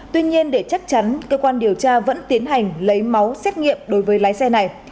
tuy nhiên để chắc chắn cơ quan điều tra vẫn tiến hành lấy máu xét nghiệm đối với lái xe này